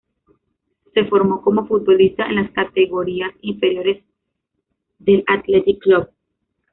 Se formó como futbolista en las categorías inferiores del Athletic Club.